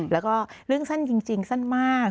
แล้วก็เรื่องสั้นจริงสั้นมาก